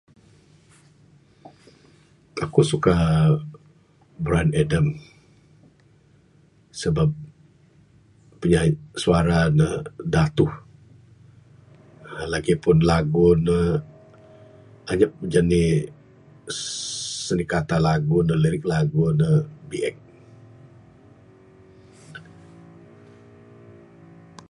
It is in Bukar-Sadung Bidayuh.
Aku suka Bryan Adam sebab pinya suara ne datuh. Lagipun lagu ne anyap jani'k sendi kata lagu ne, lirik lagu ne biek.